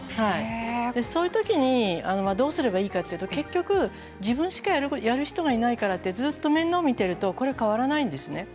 そういう時にどうすればいいかというと結局自分しかやる人がいないからとずっと面倒見ていると変わりません。